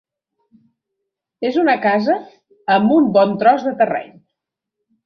És una casa amb un bon tros de terreny.